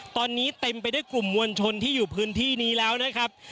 ตอนนี้เต็มไปด้วยกลุ่มมวลชนที่อยู่พื้นที่นี้แล้วนะครับ